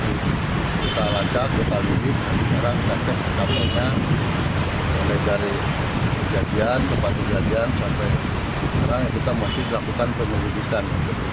kita lacak kita lidik sekarang kita cek ke kapolda mulai dari kejadian gempa kejadian sampai sekarang kita masih melakukan penyelidikan